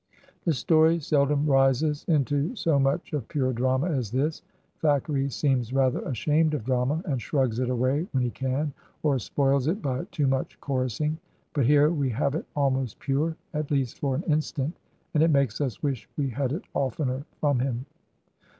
The story seldom rises into so much of pure drama as this; Thackeray seems rather ashamed of drama, and shrugs it away when he can, or spoils it by too much chorussing ; but here we have it almost pure, at least for an instant, and it makes us wish we had it of tener from him.